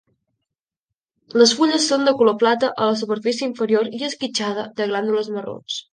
Les fulles són de color plata a la superfície inferior i esquitxada de glàndules marrons.